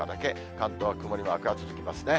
関東は曇りマークが続きますね。